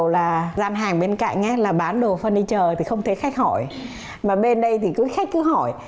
là bằng giấy hả chị